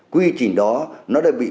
quy trình đó nó đã bị